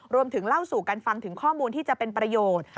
เล่าสู่กันฟังถึงข้อมูลที่จะเป็นประโยชน์